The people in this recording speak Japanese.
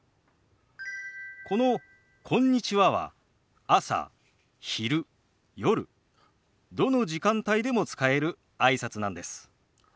この「こんにちは」は朝昼夜どの時間帯でも使えるあいさつなんです。